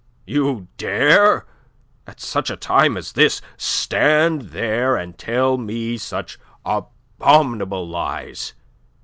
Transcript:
"You dare and at such a time as this stand there and tell me such abominable lies!